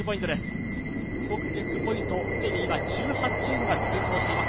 ５区チェックポイント、既に１８チームが通過しています。